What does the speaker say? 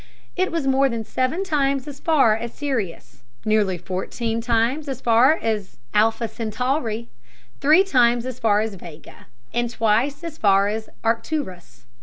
It was more than seven times as far as Sirius, nearly fourteen times as far as Alpha Centauri, three times as far as Vega, and twice as far as Arcturus.